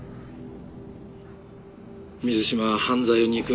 水島は犯罪を憎んでる。